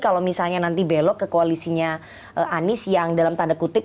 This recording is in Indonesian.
kalau misalnya nanti belok ke koalisinya anies yang dalam tanda kutip